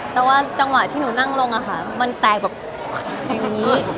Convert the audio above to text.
แต่ว่าจังหวะที่หนูนั่งลงอะค่ะมันแตกแบบอย่างนี้